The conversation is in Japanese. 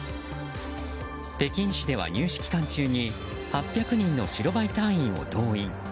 北京市では、入試期間中に８００人の白バイ隊員を動員。